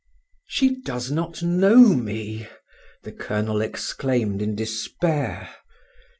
"She does not know me!" the colonel exclaimed in despair.